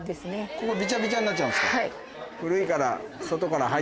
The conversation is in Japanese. ここびちゃびちゃになっちゃうんですか。